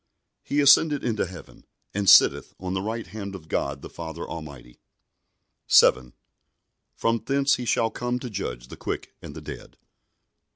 He ascended into heaven, and sitteth on the right hand of God the Father Almighty; 7. From thence He shall come to judge the quick and the dead.